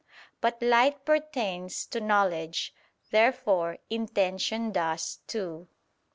But light pertains to knowledge. Therefore intention does too.